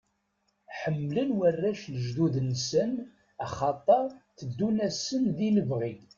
Ḥemmlen warrac lejdud-nsen axaṭer teddun-asen di lebɣi.